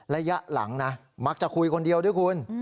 ระยะหลังนะมักจะคุยคนเดียวด้วยคุณ